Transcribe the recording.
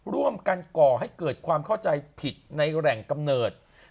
ร่วมกันก่อให้เกิดความเข้าใจผิดในแหล่งกำเนิด